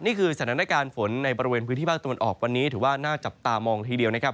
นี่คือสถานการณ์ฝนในบริเวณพื้นที่ภาคตะวันออกวันนี้ถือว่าน่าจับตามองทีเดียวนะครับ